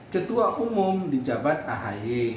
ketua umum di jabat ahy